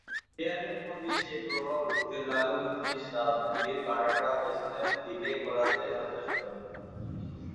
বিহারে মোদির সেই প্রভাব রুখতে লালু-নিতীশ রাজনীতির কাঁটাটা পেছনের দিকে ঘোরাতে সচেষ্ট।